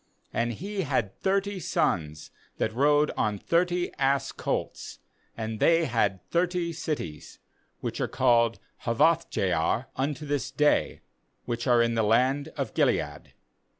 4And he had thirty sons that rode on thirty ass colts, and they had thirty cities, which are called *Hawoth jair unto this day, which are in the land of Gilead.